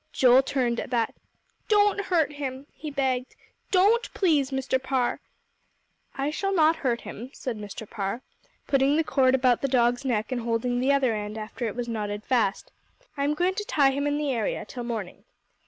Joel turned at that. "Don't hurt him," he begged. "Don't, please, Mr. Parr." "I shall not hurt him," said Mr. Parr, putting the cord about the dog's neck, and holding the other end, after it was knotted fast. "I am going to tie him in the area till morning.